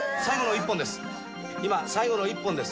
最後の１本です。